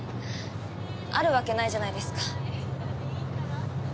あるわけないじゃないですか。